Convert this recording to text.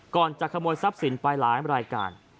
จะขโมยทรัพย์สินไปหลายรายการ